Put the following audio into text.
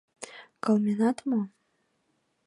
Кылменат мо?